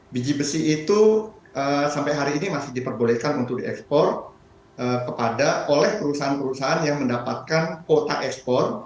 biji besi itu sampai hari ini masih diperbolehkan untuk diekspor oleh perusahaan perusahaan yang mendapatkan kuota ekspor